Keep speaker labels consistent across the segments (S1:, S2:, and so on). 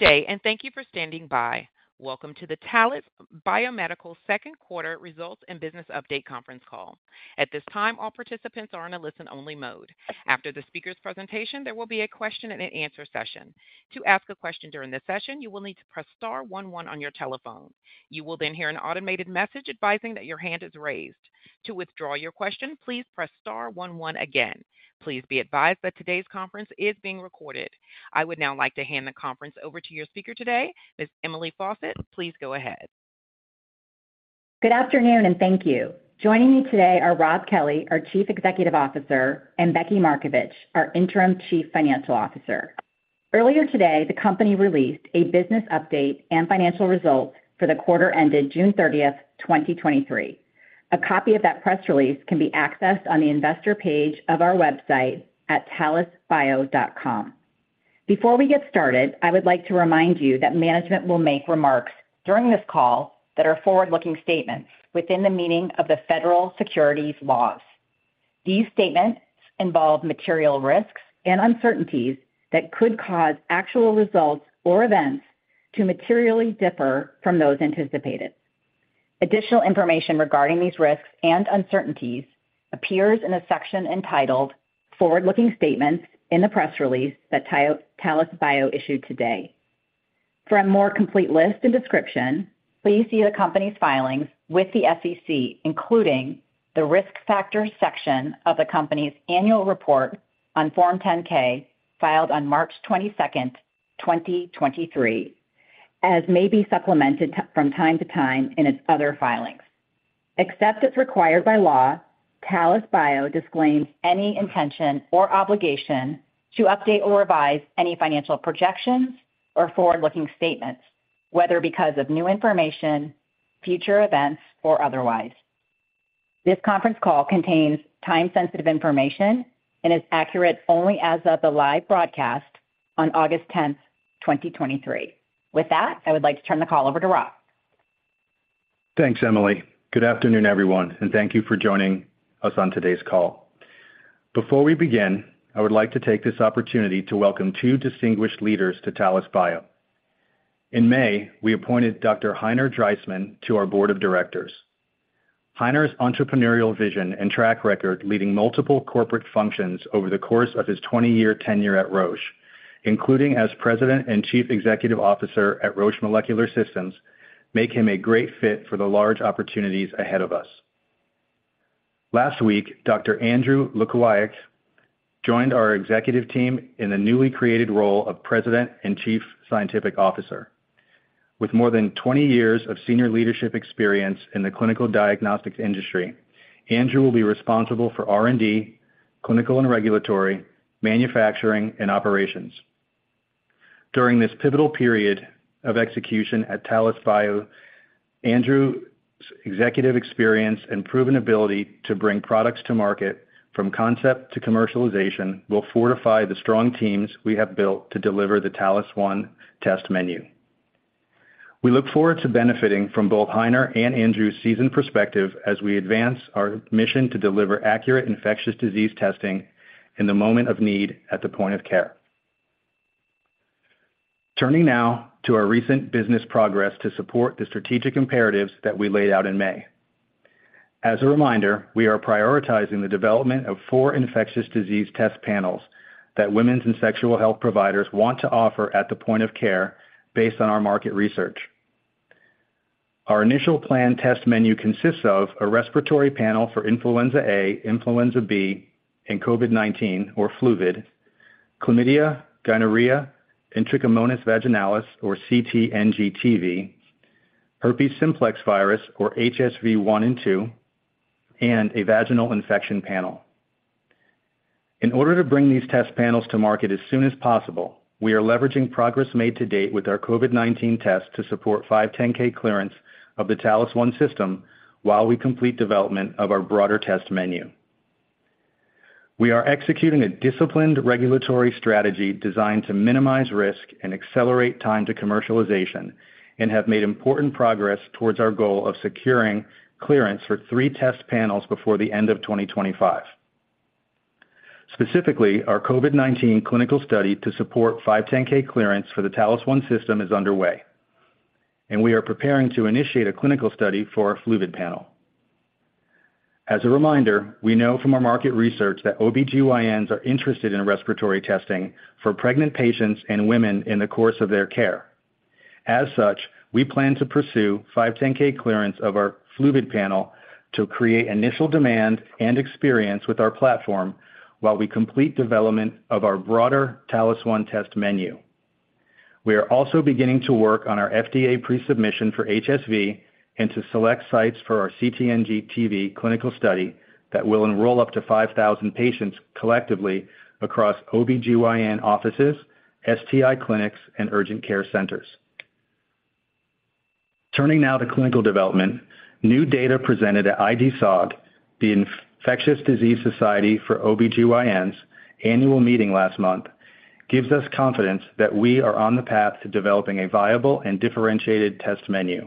S1: Good day, and thank you for standing by. Welcome to the Talis Biomedical Second Quarter Results and Business Update conference call. At this time, all participants are in a listen-only mode. After the speaker's presentation, there will be a question and an answer session. To ask a question during this session, you will need to press star one one on your telephone. You will then hear an automated message advising that your hand is raised. To withdraw your question, please press star one one again. Please be advised that today's conference is being recorded. I would now like to hand the conference over to your speaker today, Ms. Emily Faucett. Please go ahead.
S2: Good afternoon. Thank you. Joining me today are Rob Kelley, our Chief Executive Officer, and Becky Markovich, our Interim Chief Financial Officer. Earlier today, the company released a business update and financial results for the quarter ended June 30, 2023. A copy of that press release can be accessed on the investor page of our website at talisbio.com. Before we get started, I would like to remind you that management will make remarks during this call that are Forward-Looking Statements within the meaning of the federal securities laws. These statements involve material risks and uncertainties that could cause actual results or events to materially differ from those anticipated. Additional information regarding these risks and uncertainties appears in a section entitled Forward-Looking Statements in the press release that Talis Bio issued today. For a more complete list and description, please see the company's filings with the SEC, including the Risk Factors section of the company's annual report on Form 10-K, filed on March 22nd, 2023, as may be supplemented from time to time in its other filings. Except as required by law, Talis Bio disclaims any intention or obligation to update or revise any financial projections or Forward-Looking Statements, whether because of new information, future events, or otherwise. This conference call contains time-sensitive information and is accurate only as of the live broadcast on August 10th, 2023. With that, I would like to turn the call over to Rob.
S3: Thanks, Emily. Good afternoon, everyone, and thank you for joining us on today's call. Before we begin, I would like to take this opportunity to welcome two distinguished leaders to Talis Bio. In May, we appointed Dr. Heiner Dreismann to our board of directors. Heiner's entrepreneurial vision and track record, leading multiple corporate functions over the course of his 20-year tenure at Roche, including as President and Chief Executive Officer at Roche Molecular Systems, make him a great fit for the large opportunities ahead of us. Last week, Dr. Andrew Lukowiak joined our executive team in the newly created role of President and Chief Scientific Officer. With more than 20 years of senior leadership experience in the clinical diagnostics industry, Andrew will be responsible for R&D, clinical and regulatory, manufacturing, and operations. During this pivotal period of execution at Talis Bio, Andrew's executive experience and proven ability to bring products to market from concept to commercialization will fortify the strong teams we have built to deliver the Talis One test menu. We look forward to benefiting from both Heiner and Andrew's seasoned perspective as we advance our mission to deliver accurate infectious disease testing in the moment of need at the point-of-care. Turning now to our recent business progress to support the strategic imperatives that we laid out in May. As a reminder, we are prioritizing the development of four infectious disease test panels that women's and sexual health providers want to offer at the point-of-care based on our market research. Our initial planned test menu consists of a respiratory panel for influenza A, influenza B, and COVID-19 or Fluvid, chlamydia, gonorrhea, and Trichomonas vaginalis, or CT/NG/TV, herpes simplex virus, or HSV 1 and 2, and a vaginal infection panel. In order to bring these test panels to market as soon as possible, we are leveraging progress made to date with our COVID-19 test to support 510(k) clearance of the Talis One system while we complete development of our broader test menu. We are executing a disciplined regulatory strategy designed to minimize risk and accelerate time to commercialization and have made important progress towards our goal of securing clearance for three test panels before the end of 2025. Specifically, our COVID-19 clinical study to support 510(k) clearance for the Talis One system is underway, and we are preparing to initiate a clinical study for our Flu/COVID panel. As a reminder, we know from our market research that OBGYNs are interested in respiratory testing for pregnant patients and women in the course of their care. As such, we plan to pursue 510(k) clearance of our Flu/COVID panel to create initial demand and experience with our platform while we complete development of our broader Talis One test menu. We are also beginning to work on our FDA Pre-Submission for HSV and to select sites for our CT/NG/TV clinical study that will enroll up to 5,000 patients collectively across OBGYN offices, STI clinics, and urgent care centers. Turning now to clinical development, new data presented at IDSOG, the Infectious Diseases Society for Obstetrics and Gynecology, annual meeting last month, gives us confidence that we are on the path to developing a viable and differentiated test menu.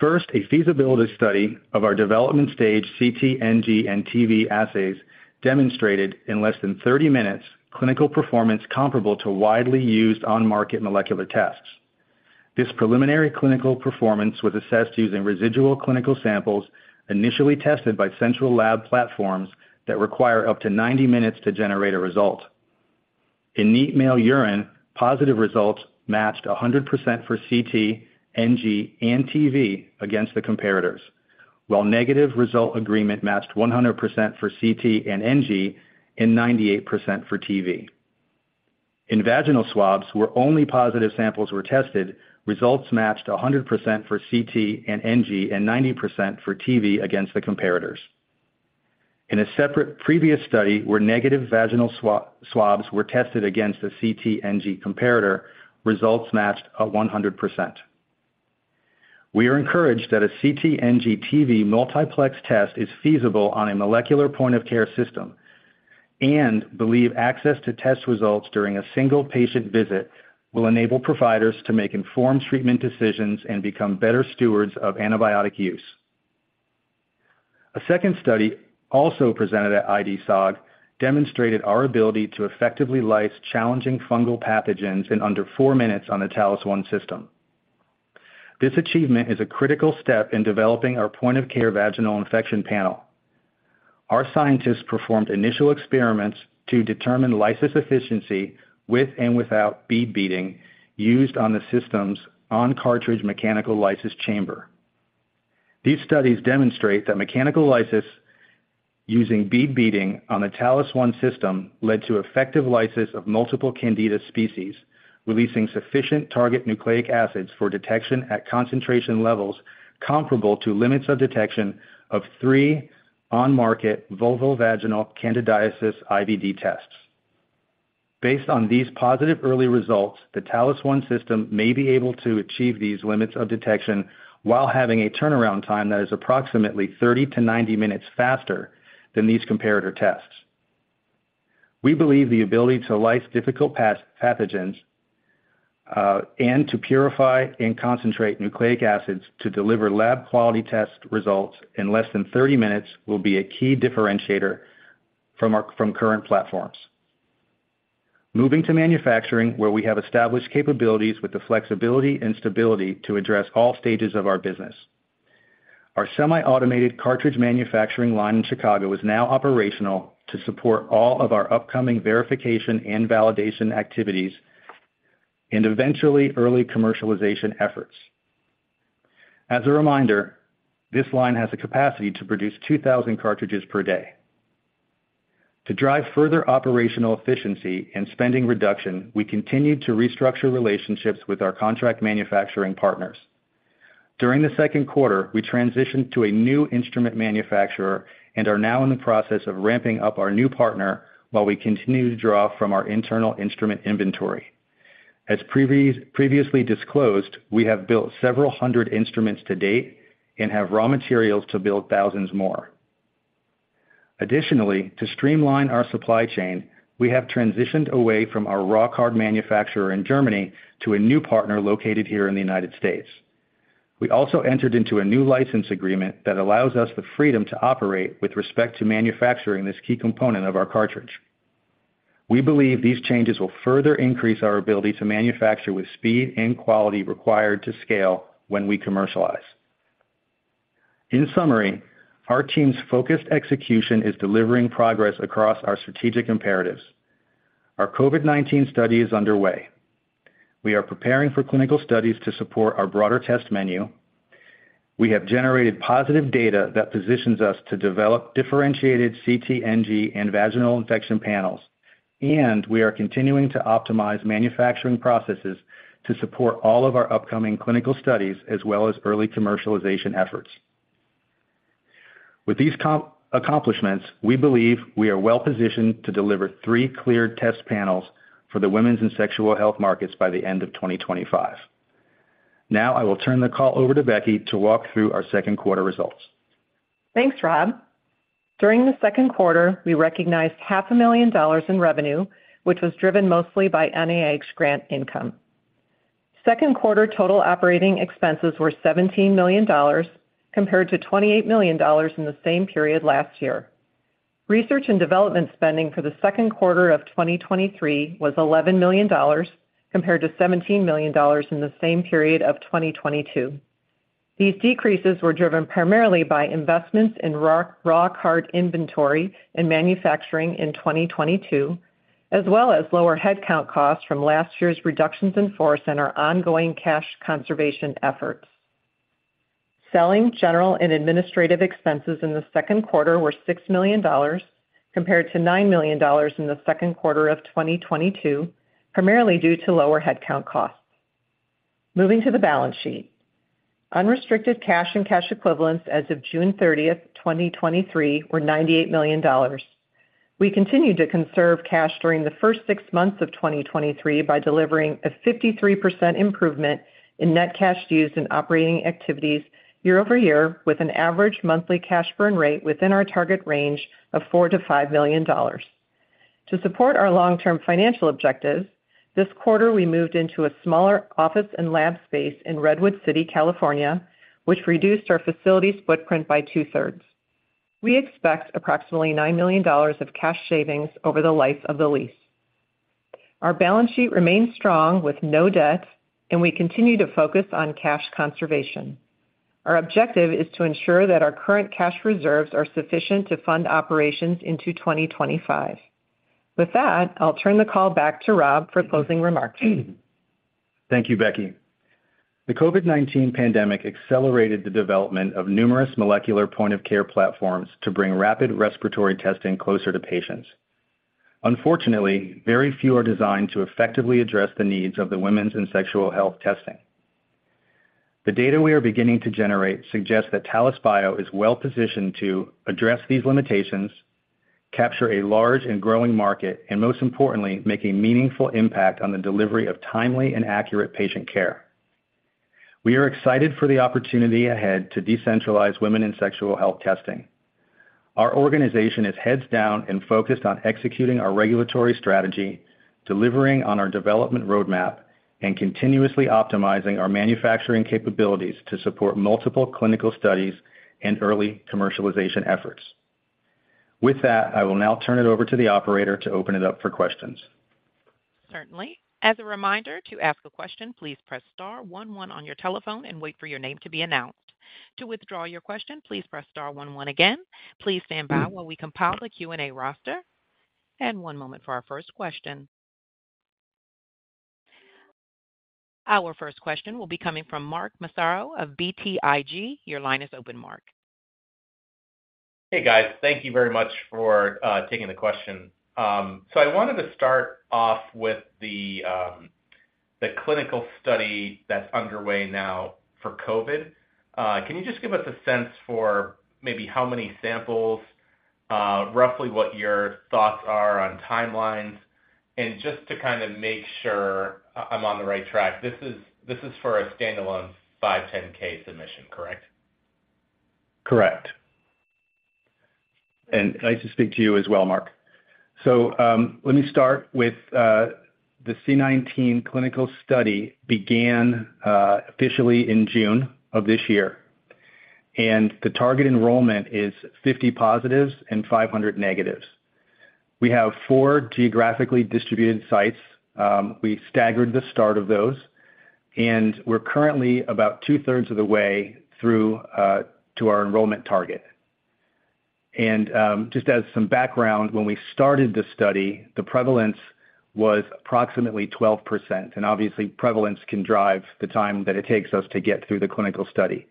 S3: First, a feasibility study of our development stage CT, NG, and TV assays demonstrated in less than 30 minutes, clinical performance comparable to widely used on-market molecular tests. This preliminary clinical performance was assessed using residual clinical samples initially tested by central lab platforms that require up to 90 minutes to generate a result. In neat male urine, positive results matched 100% for CT, NG, and TV against the comparators, while negative result agreement matched 100% for CT and NG, and 98% for TV. In vaginal swabs, where only positive samples were tested, results matched 100% for CT and NG, and 90% for TV against the comparators. In a separate previous study, where negative vaginal swabs were tested against the CT/NG comparator, results matched 100%. We are encouraged that a CT/NG/TV multiplex test is feasible on a molecular point-of-care system and believe access to test results during a single patient visit will enable providers to make informed treatment decisions and become better stewards of antibiotic use. A second study, also presented at IDSOG, demonstrated our ability to effectively lyse challenging fungal pathogens in under 4 minutes on the Talis One system. This achievement is a critical step in developing our point-of-care vaginal infection panel. Our scientists performed initial experiments to determine lysis efficiency with and without bead beating, used on the system's on-cartridge mechanical lysis chamber. These studies demonstrate that mechanical lysis using bead beating on the Talis One system led to effective lysis of multiple Candida species, releasing sufficient target nucleic acids for detection at concentration levels comparable to limits of detection of 3 on-market vulvovaginal candidiasis IVD tests. Based on these positive early results, the Talis One system may be able to achieve these limits of detection while having a turnaround time that is approximately 30-90 minutes faster than these comparator tests. We believe the ability to lyse difficult pathogens and to purify and concentrate nucleic acids to deliver lab-quality test results in less than 30 minutes will be a key differentiator from our, from current platforms. Moving to manufacturing, where we have established capabilities with the flexibility and stability to address all stages of our business. Our semi-automated cartridge manufacturing line in Chicago is now operational to support all of our upcoming verification and validation activities, and eventually, early commercialization efforts. As a reminder, this line has a capacity to produce 2,000 cartridges per day. To drive further operational efficiency and spending reduction, we continued to restructure relationships with our contract manufacturing partners. During the second quarter, we transitioned to a new instrument manufacturer and are now in the process of ramping up our new partner while we continue to draw from our internal instrument inventory. As previously disclosed, we have built several hundred instruments to date and have raw materials to build thousands more. Additionally, to streamline our supply chain, we have transitioned away from our raw card manufacturer in Germany to a new partner located here in the United States. We also entered into a new license agreement that allows us the freedom to operate with respect to manufacturing this key component of our cartridge. We believe these changes will further increase our ability to manufacture with speed and quality required to scale when we commercialize. In summary, our team's focused execution is delivering progress across our strategic imperatives. Our COVID-19 study is underway. We are preparing for clinical studies to support our broader test menu. We have generated positive data that positions us to develop differentiated CT, NG, and vaginal infection panels, and we are continuing to optimize manufacturing processes to support all of our upcoming clinical studies, as well as early commercialization efforts. With these accomplishments, we believe we are well-positioned to deliver three cleared test panels for the women's and sexual health markets by the end of 2025. Now, I will turn the call over to Becky to walk through our second quarter results.
S4: Thanks, Rob. During the second quarter, we recognized $500,000 in revenue, which was driven mostly by NIH grant income. Second quarter total operating expenses were $17 million, compared to $28 million in the same period last year. Research and development spending for the second quarter of 2023 was $11 million, compared to $17 million in the same period of 2022. These decreases were driven primarily by investments in raw card inventory and manufacturing in 2022, as well as lower headcount costs from last year's reductions in force and our ongoing cash conservation efforts. Selling, general, and administrative expenses in the second quarter were $6 million, compared to $9 million in the second quarter of 2022, primarily due to lower headcount costs. Moving to the balance sheet. Unrestricted cash and cash equivalents as of June 30, 2023, were $98 million. We continued to conserve cash during the first six months of 2023 by delivering a 53% improvement in net cash used in operating activities year-over-year, with an average monthly cash burn rate within our target range of $4 million-$5 million. To support our long-term financial objectives, this quarter, we moved into a smaller office and lab space in Redwood City, California, which reduced our facilities footprint by two-thirds. We expect approximately $9 million of cash savings over the life of the lease. Our balance sheet remains strong with no debt, and we continue to focus on cash conservation. Our objective is to ensure that our current cash reserves are sufficient to fund operations into 2025. With that, I'll turn the call back to Rob for closing remarks.
S3: Thank you, Becky. The COVID-19 pandemic accelerated the development of numerous molecular point-of-care platforms to bring rapid respiratory testing closer to patients. Unfortunately, very few are designed to effectively address the needs of the women's and sexual health testing. The data we are beginning to generate suggests that Talis Bio is well positioned to address these limitations, capture a large and growing market, and most importantly, make a meaningful impact on the delivery of timely and accurate patient care. We are excited for the opportunity ahead to decentralize women and sexual health testing. Our organization is heads down and focused on executing our regulatory strategy, delivering on our development roadmap, and continuously optimizing our manufacturing capabilities to support multiple clinical studies and early commercialization efforts. With that, I will now turn it over to the operator to open it up for questions.
S1: Certainly. As a reminder, to ask a question, please press star one one on your telephone and wait for your name to be announced. To withdraw your question, please press star one one again. Please stand by while we compile the Q&A roster. One moment for our first question. Our first question will be coming from Mark Massaro of BTIG. Your line is open, Mark.
S5: Hey, guys. Thank you very much for taking the question. I wanted to start off with the clinical study that's underway now for COVID. Can you just give us a sense for maybe how many samples, roughly what your thoughts are on timelines? Just to kind of make sure I'm on the right track, this is for a standalone 510(k) submission, correct?
S3: Correct. Nice to speak to you as well, Mark. Let me start with the COVID-19 clinical study began officially in June of this year, and the target enrollment is 50 positives and 500 negatives. We have four geographically distributed sites. We staggered the start of those, and we're currently about two-thirds of the way through to our enrollment target. Just as some background, when we started this study, the prevalence was approximately 12%, and obviously, prevalence can drive the time that it takes us to get through the clinical study.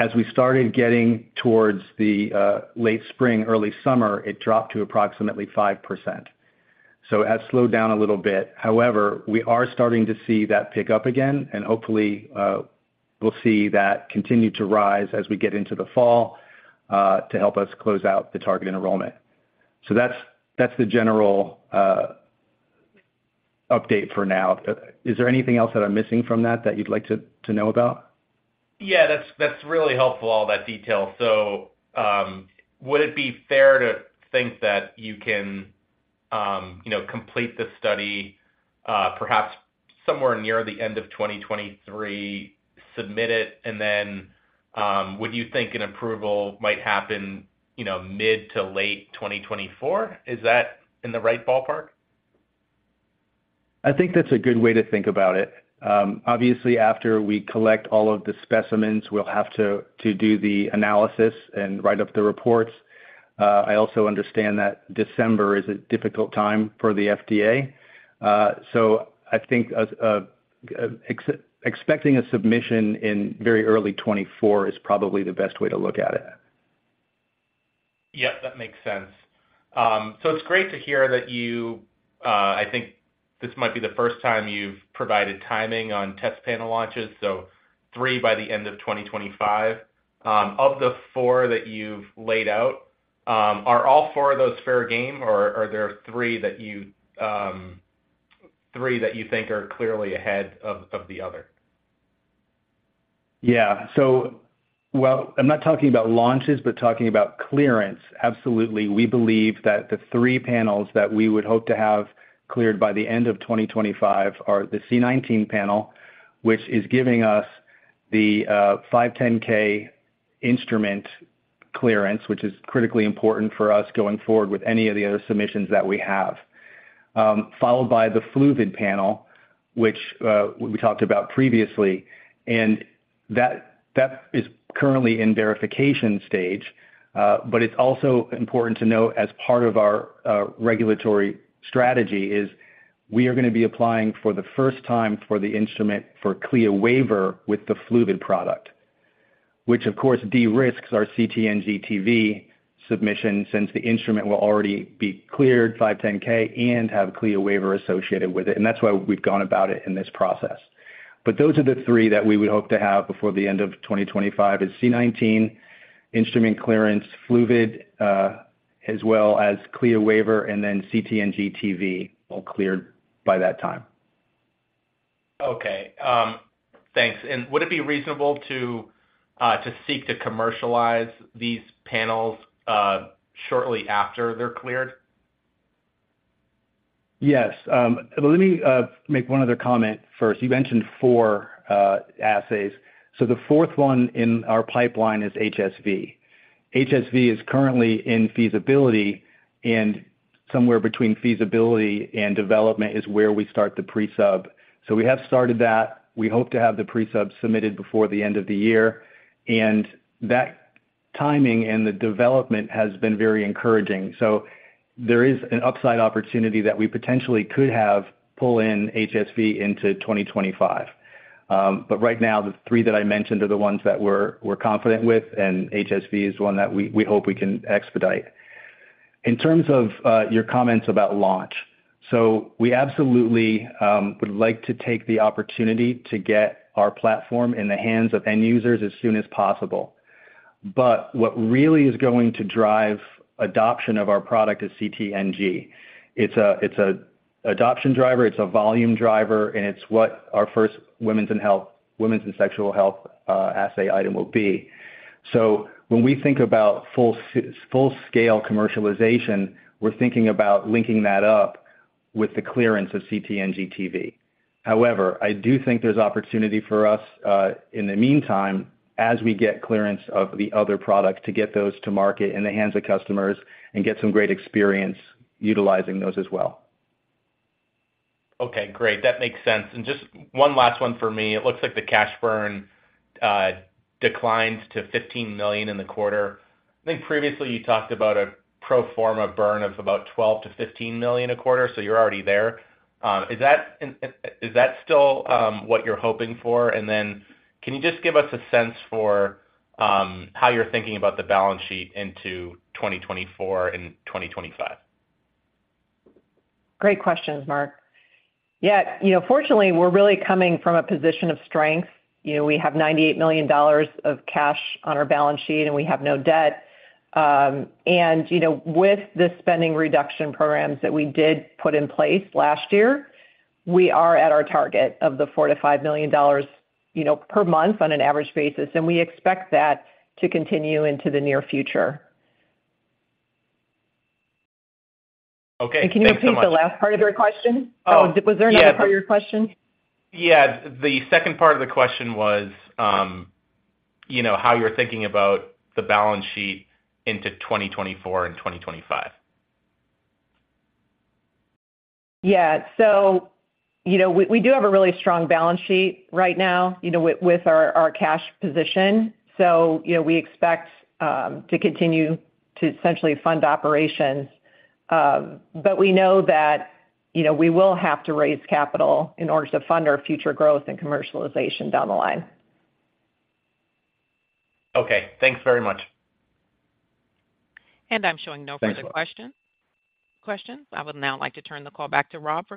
S3: As we started getting towards the late spring, early summer, it dropped to approximately 5%. It has slowed down a little bit. However, we are starting to see that pick up again, and hopefully, we'll see that continue to rise as we get into the fall, to help us close out the target enrollment. That's, that's the general update for now. Is there anything else that I'm missing from that, that you'd like to, to know about?
S5: Yeah, that's, that's really helpful, all that detail. Would it be fair to think that you can, you know, complete the study, perhaps somewhere near the end of 2023, submit it, and then, would you think an approval might happen, you know, mid to late 2024? Is that in the right ballpark?
S3: I think that's a good way to think about it. Obviously, after we collect all of the specimens, we'll have to do the analysis and write up the reports. I also understand that December is a difficult time for the FDA. I think as expecting a submission in very early 2024 is probably the best way to look at it.
S5: Yep, that makes sense. It's great to hear that you, I think this might be the first time you've provided timing on test panel launches, so three by the end of 2025. Of the four that you've laid out, are all four of those fair game, or are there three that you, three that you think are clearly ahead of, of the other?
S3: Yeah. Well, I'm not talking about launches, but talking about clearance. Absolutely. We believe that the three panels that we would hope to have cleared by the end of 2025 are the COVID-19 panel, which is giving us the 510(k) instrument clearance, which is critically important for us going forward with any of the other submissions that we have. Followed by the Fluid Panel, which we talked about previously, and that, that is currently in verification stage. it's also important to note, as part of our regulatory strategy is, we are going to be applying for the first time for the instrument, for CLIA waiver with the Fluid product, which of course, de-risks our CT/NG/TV submission, since the instrument will already be cleared 510(k) and have CLIA waiver associated with it, and that's why we've gone about it in this process. those are the three that we would hope to have before the end of 2025, is COVID-19 instrument clearance, Fluid, as well as CLIA waiver, and then CT/NG/TV all cleared by that time.
S5: Okay. Thanks. Would it be reasonable to seek to commercialize these panels shortly after they're cleared?
S3: Yes. Let me make one other comment first. You mentioned four assays. The fourth one in our pipeline is HSV. HSV is currently in feasibility, and somewhere between feasibility and development is where we start the pre-sub. We have started that. We hope to have the pre-sub submitted before the end of the year, and that timing and the development has been very encouraging. There is an upside opportunity that we potentially could have pull in HSV into 2025. Right now, the three that I mentioned are the ones that we're, we're confident with, and HSV is one that we, we hope we can expedite. In terms of your comments about launch, we absolutely would like to take the opportunity to get our platform in the hands of end users as soon as possible. What really is going to drive adoption of our product is CT/NG. It's a, it's a adoption driver, it's a volume driver, and it's what our first women's and women's and sexual health assay item will be. When we think about full-scale commercialization, we're thinking about linking that up with the clearance of CT/NG/TV. I do think there's opportunity for us in the meantime, as we get clearance of the other products, to get those to market in the hands of customers and get some great experience utilizing those as well.
S5: Okay, great. That makes sense. Just one last one for me. It looks like the cash burn declined to $15 million in the quarter. I think previously you talked about a pro forma burn of about $12 million-$15 million a quarter, so you're already there. Is that, and is that still what you're hoping for? Then can you just give us a sense for how you're thinking about the balance sheet into 2024 and 2025?
S4: Great questions, Mark. Yeah, you know, fortunately, we're really coming from a position of strength. You know, we have $98 million of cash on our balance sheet, and we have no debt. You know, with the spending reduction programs that we did put in place last year, we are at our target of $4 million-$5 million, you know, per month on an average basis, and we expect that to continue into the near future.
S5: Okay, thank you so much.
S4: Can you repeat the last part of your question? Oh, was there another part of your question?
S5: Yeah. The second part of the question was, you know, how you're thinking about the balance sheet into 2024 and 2025.
S4: Yeah. You know, we, we do have a really strong balance sheet right now, you know, with, with our, our cash position. You know, we expect to continue to essentially fund operations. We know that, you know, we will have to raise capital in order to fund our future growth and commercialization down the line.
S5: Okay, thanks very much.
S1: I'm showing no further questions. I would now like to turn the call back to Rob for closing remarks.